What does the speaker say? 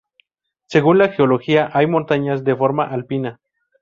Según la Geología hay montañas de forma alpina.